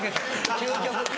究極。